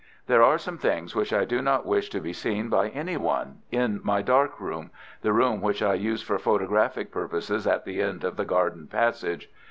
There are some things which I do not wish to be seen by any one in my dark room—the room which I use for photographic purposes at the end of the garden passage.